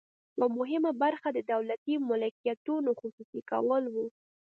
یوه مهمه برخه د دولتي ملکیتونو خصوصي کول وو.